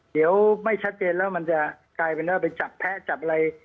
เดี๋ยวไม่ชัดเจนแล้วมันจะกลายเป็นว่าไปจับแพ้จับอะไร